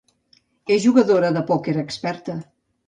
És jugadora de pòquer experta.